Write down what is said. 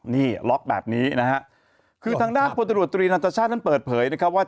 นี่ล็อกแบบนี้นะฮะคือทางด้านพลตรวจตรีนันตชาตินั้นเปิดเผยนะครับว่า